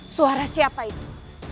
suara siapa itu